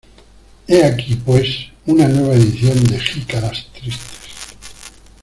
He aquí, pues, una nueva edición de Jicaras tristes.